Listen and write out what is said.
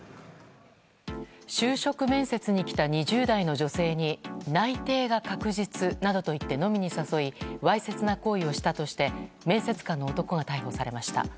就職面接に来た２０代の女性に内定が確実などと言って飲みに誘いわいせつな行為をしたとして面接官の男が逮捕されました。